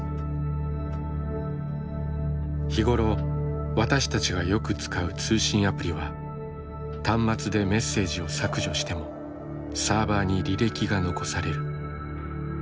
日頃私たちがよく使う通信アプリは端末でメッセージを削除してもサーバーに履歴が残される。